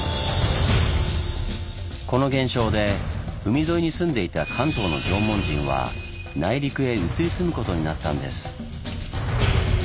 この現象で海沿いに住んでいた関東の縄文人は内陸へ移り住むことになったんです。